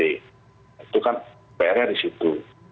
itu kan pr nya di situ